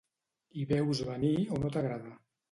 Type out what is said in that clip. Hi veus venir o no t'agrada?